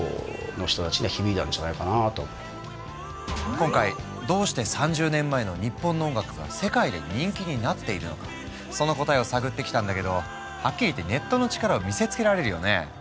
今回どうして３０年前の日本の音楽が世界で人気になっているのかその答えを探ってきたんだけどはっきり言ってネットの力を見せつけられるよね。